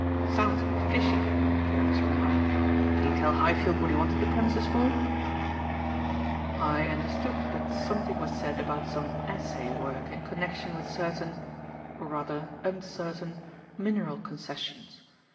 "Sounds a bit fishy," Jervis remarked. "Did he tell Highfield what he wanted the premises for?" "I understood that something was said about some assay work in connection with certain or rather uncertain mineral concessions.